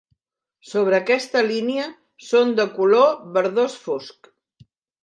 Sobre aquesta línia, són de color verdós fosc.